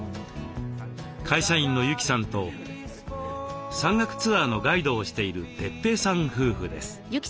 会社員の由季さんと山岳ツアーのガイドをしている哲平さん夫婦です。